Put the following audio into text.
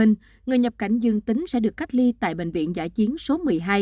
người nhập cảnh dương tính sẽ được cách ly tại bệnh viện giã chiến số một mươi hai